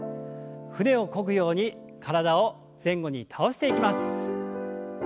船をこぐように体を前後に倒していきます。